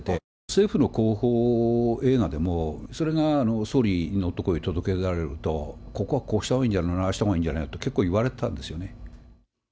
政府の広報映画でも、それが総理の所に届けられると、ここはこうしたほうがいいんじゃない、ああしたほうがいいんじゃないと結構言われてたんですよね。